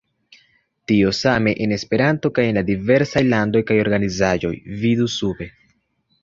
Tio same en Esperanto kaj en la diversaj landoj kaj organizaĵoj, vidu sube.